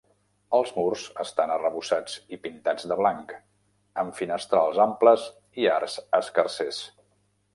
Els murs estan arrebossats i pintats de blanc, amb finestrals amples i arcs escarsers.